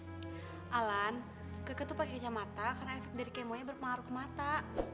alan keke tuh pake kacamata karena efek dari kemonya berpengaruh ke mata